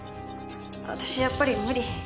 私やっぱり無理。